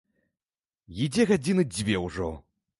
Ідзе гадзіны дзве ўжо.